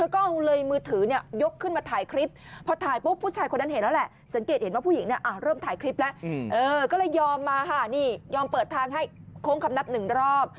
ก็เลยยอมมาค่ะนี่ยอมเปิดทางให้โค้งคำนัดหนึ่งรอบ